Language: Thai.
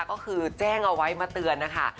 ก็คือแจ้งเอาไว้มาเตือนนะคะ